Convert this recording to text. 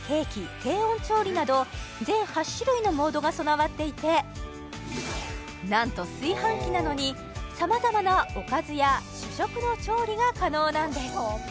低温調理など全８種類のモードが備わっていてなんと炊飯器なのに様々なおかずや主食の調理が可能なんです